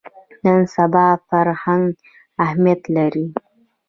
نن سبا فرهنګ اهمیت لري